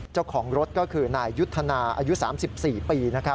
เจ้าของรถก็คือนายยุทธนาอายุ๓๔ปี